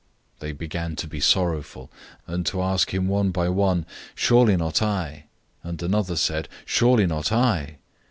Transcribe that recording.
014:019 They began to be sorrowful, and to ask him one by one, "Surely not I?" And another said, "Surely not I?"